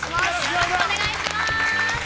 よろしくお願いします。